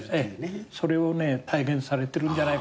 それを体現されてるんじゃないかっていう。